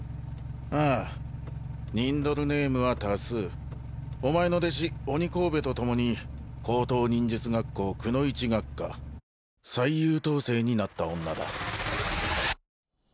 ああニンドルネームは多数お前の弟子鬼首とともに高等忍術学校くノ一学科最優等生になった女だ